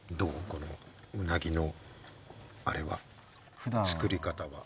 このうなぎのあれは作り方は？